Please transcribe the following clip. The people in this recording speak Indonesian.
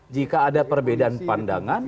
jika ada perbedaan pandangan